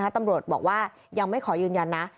ตำรวจบอกว่ายังไม่ขอยืนยันนะ